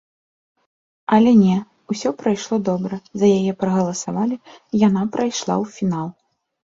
Але не, усё прайшло добра, за яе прагаласавалі, яна прайшла ў фінал.